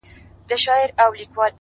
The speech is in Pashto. روح مي لا ورک دی؛ روح یې روان دی؛